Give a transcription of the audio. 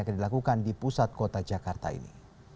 akan dilakukan di pusat kota jakarta ini